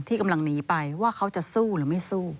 กำลังหนีไปว่าเขาจะสู้หรือไม่สู้